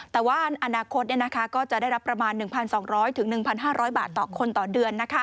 แต่ว่าอนาคตก็จะได้รับประมาณ๑๒๐๐๑๕๐๐บาทต่อคนต่อเดือน